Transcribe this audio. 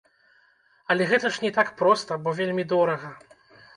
Але гэта ж не так проста, бо вельмі дорага.